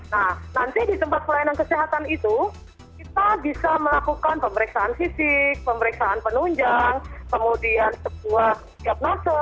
nah nanti di tempat pelayanan kesehatan itu kita bisa melakukan pemeriksaan fisik pemeriksaan penunjang kemudian sebuah diagnosa